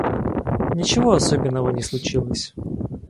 Ничего особенного не случилось.